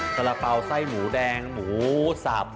สาระเป๋าไส้หมูแดงหมูสับ